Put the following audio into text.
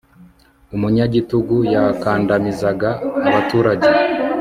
umunyagitugu yakandamizaga abaturage